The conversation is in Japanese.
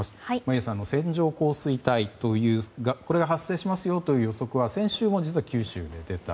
眞家さん、線状降水帯がこれが発生しますという予測は先週も実は九州に出た。